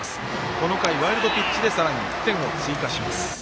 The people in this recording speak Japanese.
この回、ワイルドピッチでさらに１点を先制します。